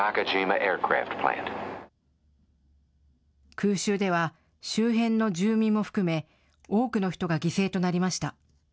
空襲では周辺の住民も含め多くの人が犠牲となりました。